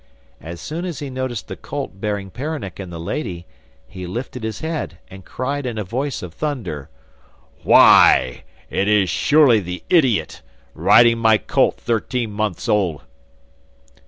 As soon as he noticed the colt bearing Peronnik and the lady, he lifted his head, and cried in a voice of thunder: 'Why, it is surely the idiot, riding my colt thirteen months old!